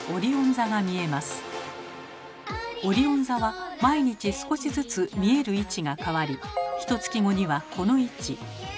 このオリオン座は毎日少しずつ見える位置が変わりひとつき後にはこの位置。